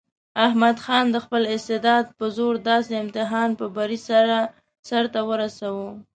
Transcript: احمد خان د خپل استعداد په زور داسې امتحان په بري سره سرته ورساوه.